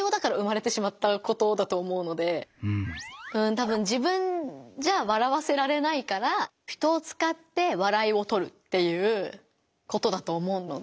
たぶん自分じゃ笑わせられないから人をつかって笑いをとるっていうことだと思うので。